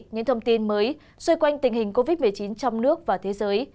những thông tin mới xoay quanh tình hình covid một mươi chín trong nước và thế giới